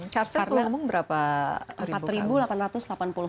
karsten terhubung berapa ribu kali